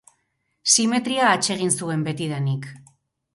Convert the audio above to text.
Simetria atsegin zuen betidanik.